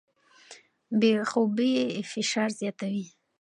بې خوبۍ فشار زیاتوي.